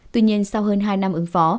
tuy nhiên sau hơn hai năm ứng phó